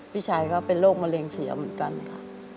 พี่ชายก็เป็นโรคมะเร็งเสียเหมือนกันค่ะ